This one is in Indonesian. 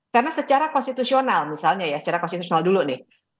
karena secara konstitusional misalnya ya secara konstitusional dulu nih